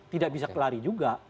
tidak bisa kelari juga